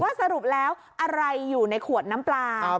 สรุปแล้วอะไรอยู่ในขวดน้ำปลา